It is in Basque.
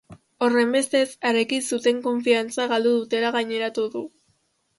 Horrenbestez, harekin zuten konfiantza galdu dutela gaineratu du.